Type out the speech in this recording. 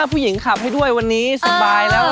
ผู้หญิงขับให้ด้วยวันนี้สบายแล้ว